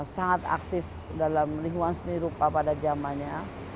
sangat aktif dalam lingkungan seni rupa pada zamannya